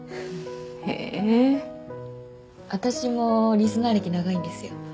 へえー私もリスナー歴長いんですよ